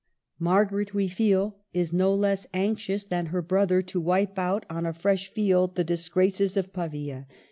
Margaret, we feel, is no less anxious than her brother to wipe out, on a fresh field, the disgraces of Pavia.